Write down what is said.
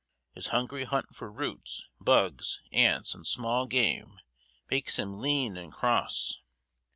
His hungry hunt for roots, bugs, ants and small game makes him lean and cross.